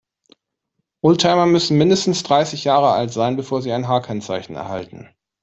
Oldtimer müssen mindestens dreißig Jahre alt sein, bevor sie ein H-Kennzeichen erhalten.